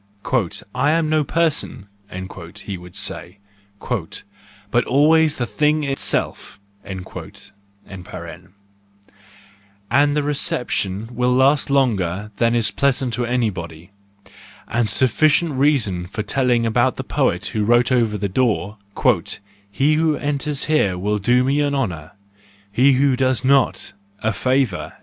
" I am no person," he would say, " but always the thing itself")—and the reception will last longer than is pleasant to anybody; a sufficient reason for telling about the poet who wrote over his door, "He who 62 THE JOYFUL WISDOM, enters here will do me an honour; he who does not—a favour."